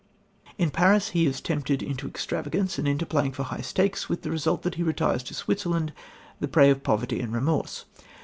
In Paris he is tempted into extravagance and into playing for high stakes, with the result that he retires to Switzerland the "prey of poverty and remorse."